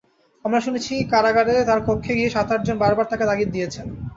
আমরা শুনেছি কারাগারে তাঁর কক্ষে গিয়ে সাতআটজন বারবার তাঁকে তাগিদ দিয়েছেন।